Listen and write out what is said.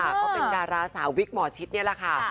ก็เป็นดาราสาววิกหมอชิดนี่แหละค่ะ